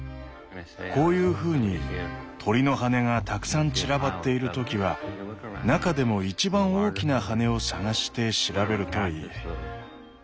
こういうふうに鳥の羽根がたくさん散らばっている時は中でも一番大きな羽根を探して調べるといい。